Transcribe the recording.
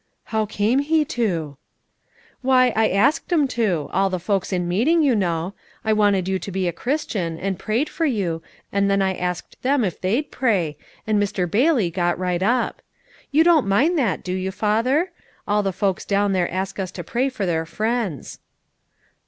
"How came he to?" "Why, I asked 'em to all the folks in meeting, you know. I wanted you to be a Christian, and prayed for you, and then I asked them if they'd pray, and Mr. Bailey got right up. You don't mind that, do you, father? All the folks down there ask us to pray for their friends."